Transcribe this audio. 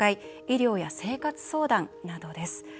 医療や生活相談などです。